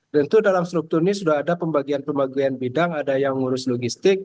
dan itu dalam struktur ini sudah ada pembagian pembagian bidang ada yang ngurus logistik